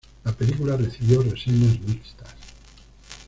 La película recibió reseñas mixtas.